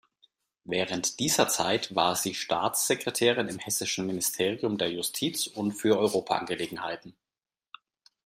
Während dieser Zeit war sie Staatssekretärin im Hessischen Ministerium der Justiz und für Europaangelegenheiten.